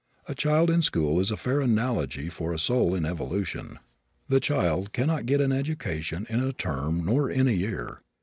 A child in school is a fair analogy for a soul in evolution. The child cannot get an education in a term nor in a year.